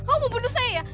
kamu mau bunuh saya ya